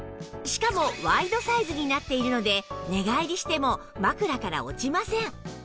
しかもワイドサイズになっているので寝返りしても枕から落ちません